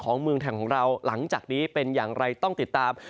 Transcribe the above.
เมืองไทยของเราหลังจากนี้เป็นอย่างไรต้องติดตาม